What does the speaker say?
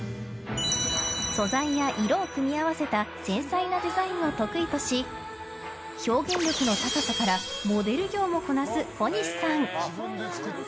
素材や色を組み合わせた繊細なデザインを得意とし表現力の高さからモデル業もこなす小西さん。